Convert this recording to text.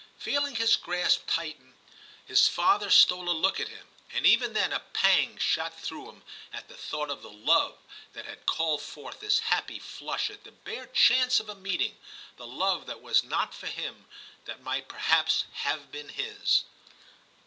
Feeling his grasp tighten, his father stole a look at him, and even then a pang shot through him at the thought of the love that had called forth this happy flush at the bare chance of a meeting, the love that was not for him, that might perhaps have been his.